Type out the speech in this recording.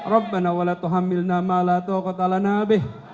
rabbana walatuhamilna ma'alatokotalanabeh